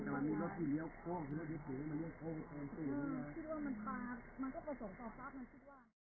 โปรดติดตามต่อไป